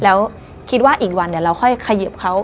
แล้วคิดว่าอีกวันเราค่อยขยิบเขา